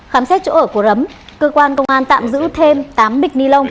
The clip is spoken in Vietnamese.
khám xét chỗ ở của rấm cơ quan công an tạm giữ thêm tám bịch nilon